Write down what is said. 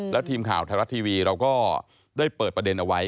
แล้วทีมข่าวไทยรัฐทีวีเราก็ได้เปิดประเด็นเอาไว้